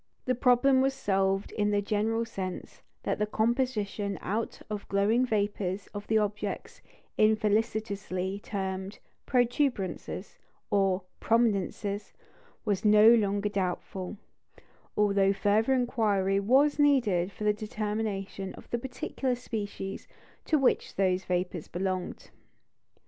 The problem was solved in this general sense, that the composition out of glowing vapours of the objects infelicitously termed "protuberances" or "prominences" was no longer doubtful; although further inquiry was needed for the determination of the particular species to which those vapours belonged.